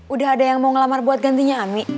udah ada yang mau ngelamar buat gantinya ami